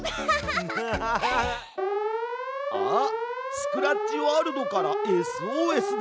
スクラッチワールドからＳＯＳだ！